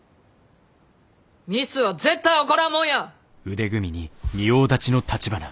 ミスは絶対起こらんもんや！